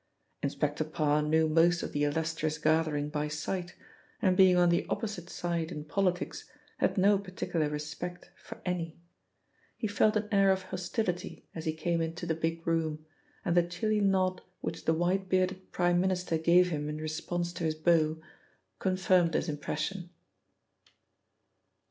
Inspector Parr knew most of the illustrious gathering by sight, and being on the opposite side in politics, had no particular respect for any. He felt an air of hostility as he came into the big room, and the chilly nod which the white bearded Prime Minister gave him in response to his bow, confirmed this impression.